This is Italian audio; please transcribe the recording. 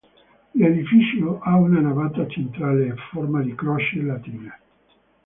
L'edificio ha una navata centrale a forma di croce latina.